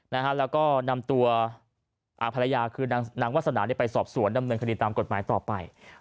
แล้วก็นำตัวภรรยาคือนางวาสนาไปสอบสวนดำเนินคดีตามกฎหมายต่อไป